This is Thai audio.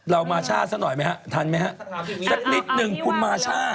เรามาช่าซะหน่อยไหมฮะทันไหมฮะสักนิดหนึ่งคุณมาช่า